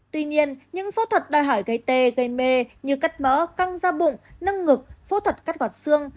tuy nhiên những phẫu thuật đòi hỏi gây tê gây mê như cắt mỡ căng da bụng nâng ngực phẫu thuật cắt gọt xương